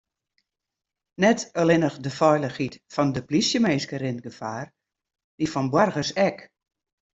Net allinnich de feilichheid fan de polysjeminsken rint gefaar, dy fan boargers ek.